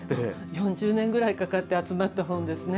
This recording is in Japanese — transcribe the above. ４０年ぐらいかかって集まった本ですね。